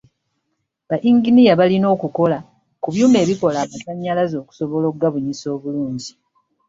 Ba yinginiya balina okukola ku byuma ebikola amasannyalaze okusobola okugabunyisa obulungi.